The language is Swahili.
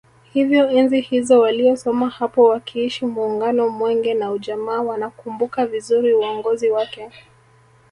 Hivyo enzi hizo waliosoma hapo wakiishi Muungano Mwenge na Ujamaa wanakumbuka vizuri uongozi wake